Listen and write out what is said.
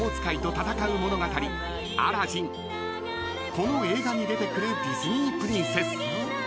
［この映画に出てくるディズニープリンセス］